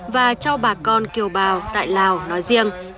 và cho bà con kiều bào tại lào nói riêng